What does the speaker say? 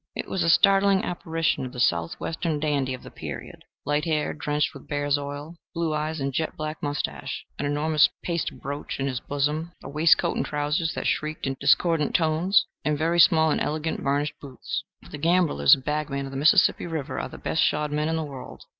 It was a startling apparition of the Southwestern dandy of the period light hair drenched with bear's oil, blue eyes and jet black moustache, an enormous paste brooch in his bosom, a waistcoat and trowsers that shrieked in discordant tones, and very small and elegant varnished boots. The gamblers and bagmen of the Mississippi River are the best shod men in the world.